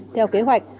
theo kế hoạch